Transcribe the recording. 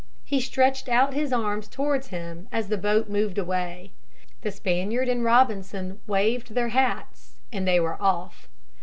He stretched out his arms towards him as the boat moved away. The Spaniard and Robinson waved their hats and they were off.